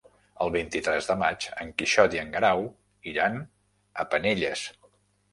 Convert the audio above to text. El vint-i-tres de maig en Quixot i en Guerau iran a Penelles.